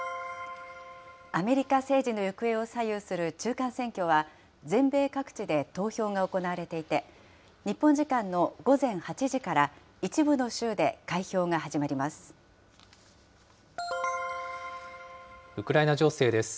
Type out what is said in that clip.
アメリカ政治の行方を左右する中間選挙は、全米各地で投票が行われていて、日本時間の午前８時から、一部の州で開票が始まります。